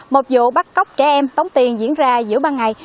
một vụ bắt cóc trẻ em tống tiền diễn ra giữa ban ngày